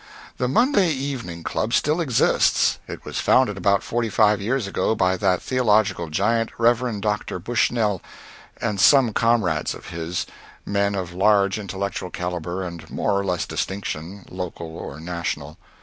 The Monday Evening Club still exists. It was founded about forty five years ago by that theological giant, Rev. Dr. Bushnell, and some comrades of his, men of large intellectual calibre and more or less distinction, local or national.